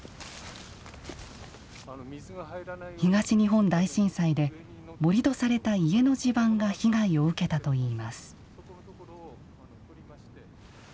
東日本大震災で盛土された家の地盤が被害を受けたといいます。